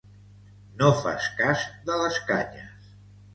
No fas cas de les canyes.